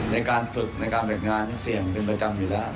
ในการฝึกในการแบ่งงานที่เสี่ยงเป็นประจำอยู่แล้ว